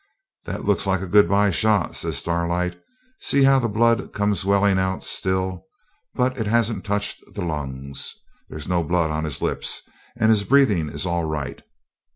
'That looks like a good bye shot,' says Starlight; 'see how the blood comes welling out still; but it hasn't touched the lungs. There's no blood on his lips, and his breathing is all right.